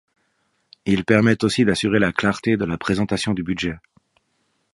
Il permet aussi d'assurer la clarté de la présentation du budget.